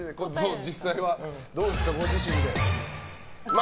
実際はどうですか、ご自身で。